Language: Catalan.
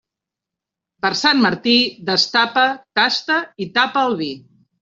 Per Sant Martí, destapa, tasta i tapa el vi.